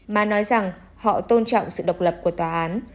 mà nói rằng họ tôn trọng sự độc lập của tòa án